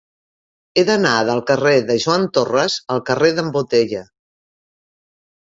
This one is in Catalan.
He d'anar del carrer de Joan Torras al carrer d'en Botella.